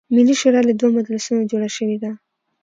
ملي شورا له دوه مجلسونو جوړه شوې ده.